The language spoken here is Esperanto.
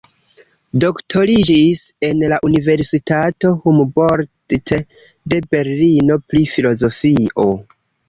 Doktoriĝis en la Universitato Humboldt de Berlino pri filozofio.